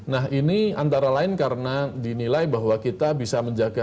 nah ini antara lain karena dinilai bahwa kita bisa menjaga